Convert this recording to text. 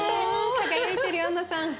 輝いてるよアンナさん。